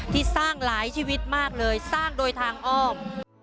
ที่สร้างหลายชีวิตมากเลยสร้างโดยทางอ้อม